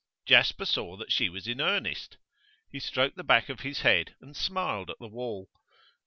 Jasper saw that she was in earnest. He stroked the back of his head and smiled at the wall.